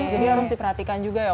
jadi harus diperhatikan juga ya